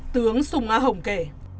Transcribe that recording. tướng sùng a hồng kể